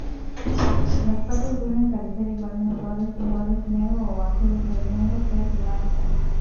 Las patas deben carecer igualmente de los colores negro o azul, debiendo ser blancas.